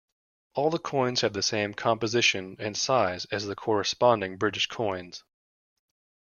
All the coins have the same composition and size as the corresponding British coins.